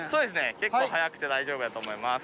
結構速くて大丈夫だと思います。